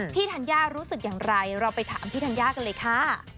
ธัญญารู้สึกอย่างไรเราไปถามพี่ธัญญากันเลยค่ะ